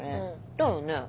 だよね。